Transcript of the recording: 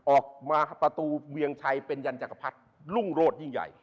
ออกมาประตูเวียงชัยเป็นยันจักรพรรดิรุ่งโรธยิ่งใหญ่